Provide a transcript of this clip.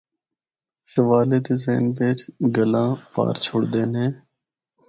شوالے دے ذہن بچ گلاں پہر چھوڑدے نے۔